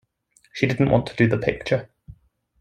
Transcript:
She didn't want to do the picture.